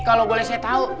kalau boleh saya tahu